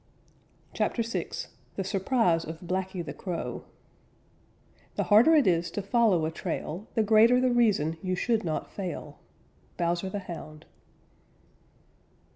CHAPTER VI THE SURPRISE OF BLACKY THE CROW The harder it is to follow a trail The greater the reason you should not fail. _Bowser the Hound.